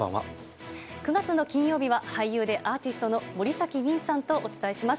９月の金曜日は俳優でアーティストの森崎ウィンさんとお伝えします。